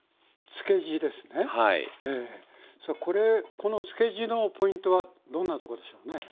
この漬け地のポイントはどんなとこでしょうね？